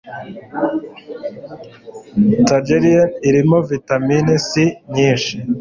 Tangerine irimo vitamine C. nyinshi